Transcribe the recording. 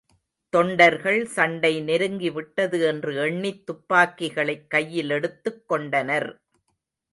தொண்டர்கள் சண்டை நெருங்கி விட்டது என்று எண்ணித் துப்பாக்கிகளைக் கையிலெடுத்துக் கொண்டனர்.